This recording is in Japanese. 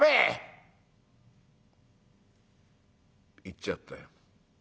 行っちゃったよ。